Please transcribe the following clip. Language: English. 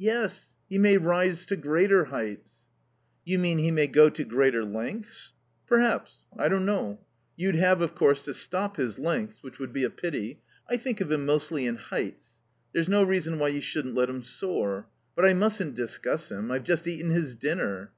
"Yes. He may rise to greater heights." "You mean he may go to greater lengths?" "Perhaps. I don't know. You'd have, of course, to stop his lengths, which would he a pity. I think of him mostly in heights. There's no reason why you shouldn't let him soar.... But I mustn't discuss him. I've just eaten his dinner."